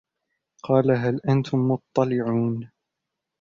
قَالَ هَلْ أَنْتُمْ مُطَّلِعُونَ